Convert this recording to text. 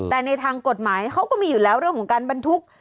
แต่ในทางกฎหมายเขาก็มีอยู่แล้วเรื่องของการบรรทุก